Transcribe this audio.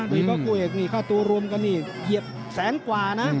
ดูว่าคู่เอกมีฆ่าตัวรวมกันเนี่ยเหยียบแสงกว่านะ